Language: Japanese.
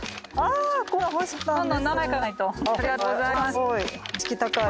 ありがとうございます。